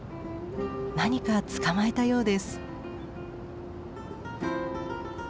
何か捕まえたようです。